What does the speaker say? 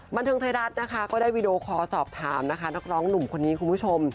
บันเทิงไทยรัฐนะคะก็ได้วีดีโอคอสอบถามนะคะนักร้องหนุ่มคนนี้คุณผู้ชม